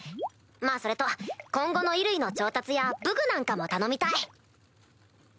まぁそれと今後の衣類の調達や武具なんかも頼みたい。